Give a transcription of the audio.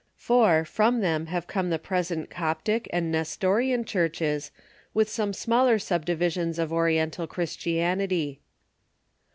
For, from them have come the present Coptic and Nestorian churches, with some smaller sub divisions of Oriental Christianity.